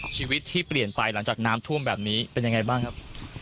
ชีวิตที่เปลี่ยนไปหลังจากน้ำท่วมแบบนี้เป็นยังไงบ้างครับ